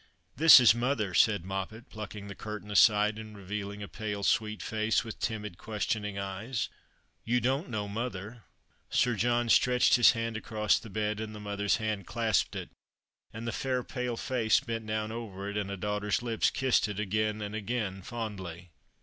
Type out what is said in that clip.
" This is mother," said Moppet, plucking the curtain aside, and revealing a pale sweet face, with timid ques tioning eyes. " You don't know mother ?" Sir John stretched his hand across the bed, and the mother's hand clasped it, and the fair pale face bent down over it, and a daughter's lips kissed it again and again, fondly.